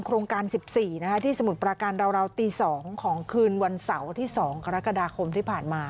โครงการ๑๔ที่สมุทรประการราวตี๒ของคืนวันเสาร์ที่๒กรกฎาคมที่ผ่านมา